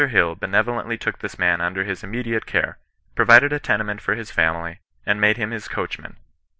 Hill benevolently took this man under his immediate care, provided a tenement for his family, and made him his coachman.